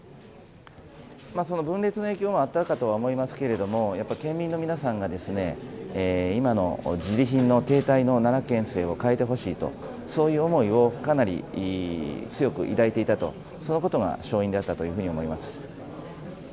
分裂の影響もあったかとは思いますけれども、やっぱ県民の皆さんが、今のじり貧の、停滞の奈良県政を変えてほしいと、そういう思いをかなり強く抱いていたと、そのことが勝因だったというふうに思います。